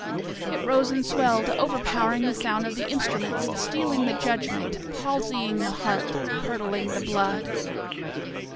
It rose and swelled, overpowering the sound of the instruments, stealing the judgment, palsying the heart, curdling the blood.